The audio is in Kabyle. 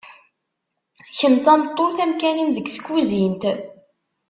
kemm d tameṭṭut amkan-im deg tkuzint.